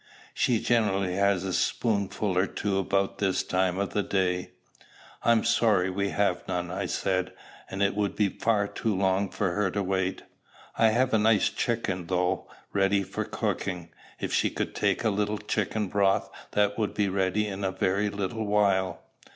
She generally has a spoonful or two about this time of the day." "I am sorry we have none," I said; "and it would be far too long for her to wait. I have a nice chicken, though, ready for cooking: if she could take a little chicken broth, that would be ready in a very little while."